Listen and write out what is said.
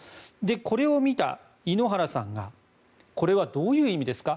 これを見た井ノ原さんがこれはどういう意味ですか？